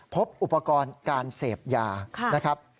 พบอุปกรณ์การเสพยานะครับ